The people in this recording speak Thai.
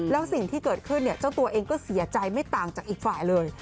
แล้วสิ่งที่เกิดขึ้นเนี่ยเจ้าตัวเองก็เสียใจไม่ต่างจากอีกฝ่ายเลย